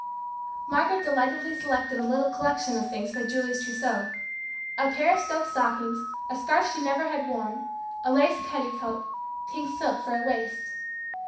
Margaret delightedly selected a little collection of things for Julie's trousseau. A pair of silk stockings, a scarf she never had worn, a lace petticoat, pink silk for a waist.